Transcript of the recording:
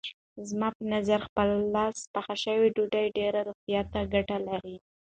زما په نظر په خپل لاس پخه شوې ډوډۍ ډېرې روغتیايي ګټې لري.